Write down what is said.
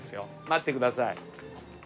待ってください。